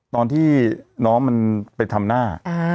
ตอนที่น้องมันไปทำหน้า